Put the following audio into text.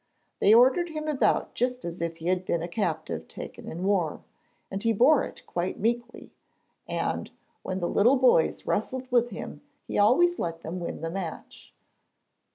They ordered him about just as if he had been a captive taken in war, and he bore it quite meekly, and when the little boys wrestled with him he always let them win the match.